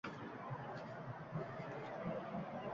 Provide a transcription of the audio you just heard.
bir sahifani koʻrdim, keyin boshqasini.